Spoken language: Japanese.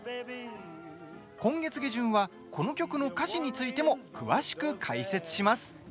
今月下旬はこの曲の歌詞についても詳しく解説します。